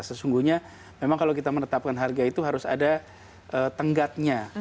sesungguhnya memang kalau kita menetapkan harga itu harus ada tenggatnya